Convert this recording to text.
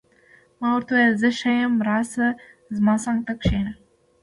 ما ورته وویل: زه ښه یم، راشه، زما څنګ ته کښېنه.